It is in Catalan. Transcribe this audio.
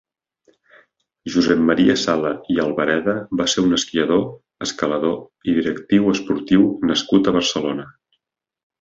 Josep Maria Sala i Albareda va ser un esquiador, escalador i directiu esportiu nascut a Barcelona.